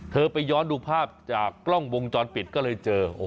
ไปย้อนดูภาพจากกล้องวงจรปิดก็เลยเจอ